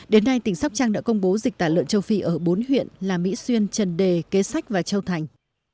đến nay tỉnh sóc trăng đã công bố dịch tả lợn châu phi ở bốn huyện là mỹ xuyên trần đề kế sách và châu thành